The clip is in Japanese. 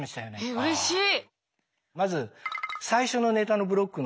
えっうれしい。